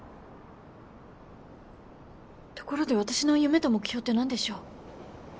ところで私の夢と目標って何でしょう？